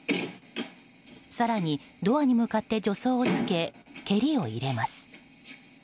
更にドアに向かって助走をつけて、蹴りを入れます。